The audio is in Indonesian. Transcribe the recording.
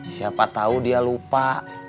siapa tau dia lupa